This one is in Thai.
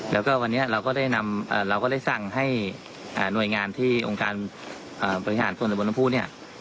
แล้วก็วันนี้เราก็ได้นำเราก็ได้สั่งให้หน่วยงานที่องค์การบริหารส่วนตะบนน้ำผู้เนี่ย